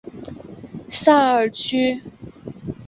萨尔屈。